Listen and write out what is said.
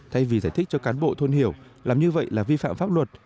thay vì giải thích cho cán bộ thôn hiểu làm như vậy là vi phạm pháp luật